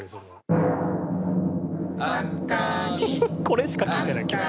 これしか聞いてない今日。